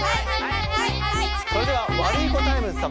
それではワルイコタイムス様。